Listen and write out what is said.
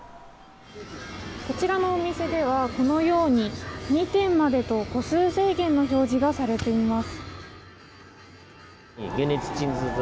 こちらのお店ではこのように２点までと個数制限の表示がされています。